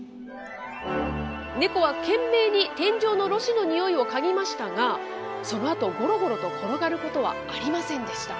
ネコは懸命に天井のろ紙の匂いを嗅ぎましたが、そのあとごろごろと転がることはありませんでした。